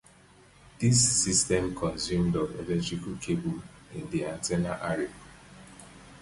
This system consumed of electrical cable in the antenna array.